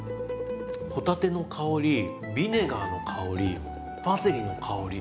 帆立ての香りビネガーの香りパセリの香り